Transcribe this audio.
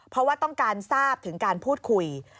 เพราะว่าต้องการทราบถึงการพูดคุย